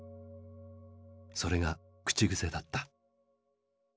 それが口癖だった。